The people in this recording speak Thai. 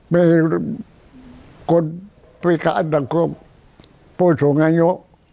มีคนพิการทั้งครูผู้ส่งอายุ